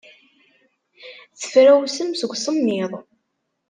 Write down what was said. Tefrawsem seg usemmiḍ.